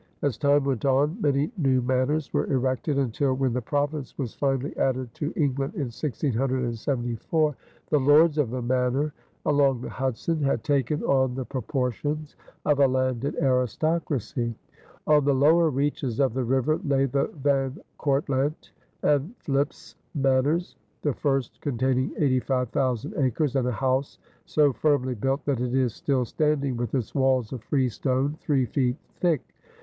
As time went on, many new manors were erected until, when the province was finally added to England in 1674, "The Lords of the Manor" along the Hudson had taken on the proportions of a landed aristocracy. On the lower reaches of the river lay the Van Cortlandt and Philipse Manors, the first containing 85,000 acres and a house so firmly built that it is still standing with its walls of freestone, three feet thick.